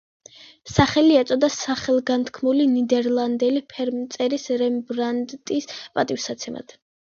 სახელი ეწოდა სახელგანთქმული ნიდერლანდელი ფერმწერის რემბრანდტის პატივსაცემად.